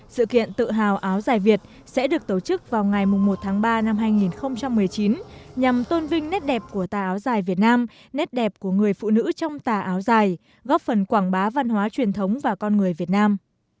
sự kiện tự hào áo dài việt sẽ được tổ chức vào ngày một tháng ba năm hai nghìn một mươi chín nhằm tôn vinh nét đẹp của tà áo dài việt nam nét đẹp của người phụ nữ trong tà áo dài góp phần quảng bá văn hóa truyền thống và con người việt nam